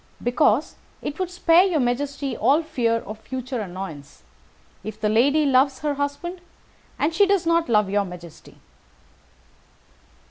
"Because it would spare your majesty all fear of future annoyance. If the lady loves her husband, she does not love your majesty.